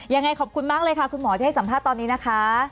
ยังไงขอบคุณมากเลยค่ะคุณหมอที่ให้สัมภาษณ์ตอนนี้นะคะ